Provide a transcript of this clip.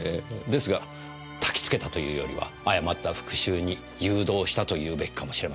ですがたきつけたというよりは誤った復讐に誘導したと言うべきかもしれません。